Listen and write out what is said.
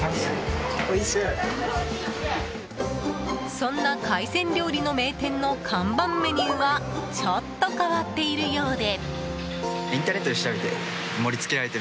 そんな海鮮料理の名店の看板メニューはちょっと変わっているようで。